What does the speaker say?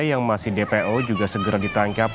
yang masih dpo juga segera ditangkap